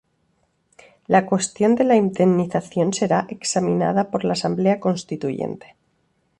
La cuestión de la indemnización será examinada por la Asamblea Constituyente.